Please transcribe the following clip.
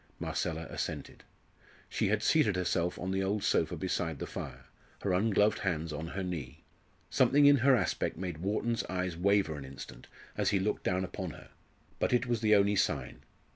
Marcella assented. She had seated herself on the old sofa beside the fire, her ungloved hands on her knee. Something in her aspect made Wharton's eyes waver an instant as he looked down upon her but it was the only sign.